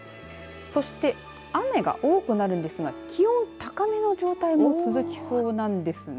そして、雨が多くなるんですが気温、高めの状態も続きそうなんです。